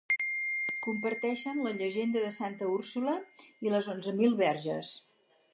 Comparteixen la llegenda de Santa Úrsula i les Onze Mil Verges.